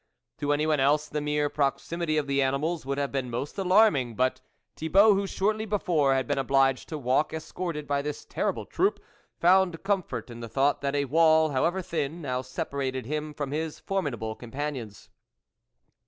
To anyone else the mere proximity of the animals would have been most alarm ing, but, Thibault who shortly before, had been obliged to walk escorted by this terrible troop, found comfort in the thought that a wall, however thin, now separated him from his formidable companions.